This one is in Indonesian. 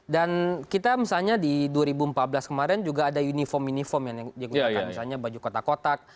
dan kita misalnya di dua ribu empat belas kemarin juga ada uniform uniform yang digunakan misalnya baju kotak kotak